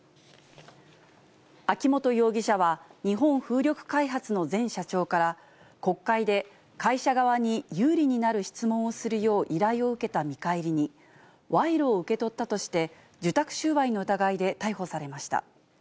秋本容疑者は、日本風力開発の前社長から、国会で、会社側に有利になる質問をするよう依頼を受けた見返りに、賄賂を受け取ったとして、受託収賄の疑いで逮捕されました。